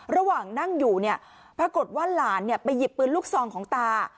ระหว่างนั่งอยู่เนี่ยปรากฏว่าหลานไปหยิบปืนลูกซองของตา